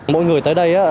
mỗi người tới đây